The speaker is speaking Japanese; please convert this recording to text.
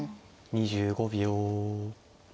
２５秒。